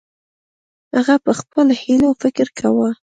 هغه په خپلو هیلو فکر کاوه.